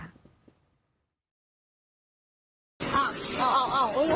นี่ค่ะขับรถไปที่ด้านหน้าสุดหลังจากนั้นถอยมาโทรเลย